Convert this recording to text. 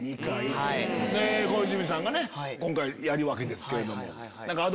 小泉さんが今回やるわけですけど。